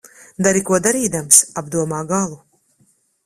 Dari ko darīdams, apdomā galu.